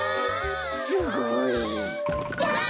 すごい。わ！